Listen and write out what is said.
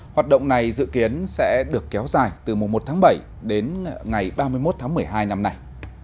hoạt động này dự kiến sẽ được kéo dài từ mùa một tháng bảy đến ngày ba mươi một tháng một mươi hai năm nay